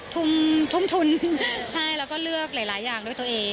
ทุ่มทุ่มทุนใช่แล้วก็เลือกหลายอย่างด้วยตัวเอง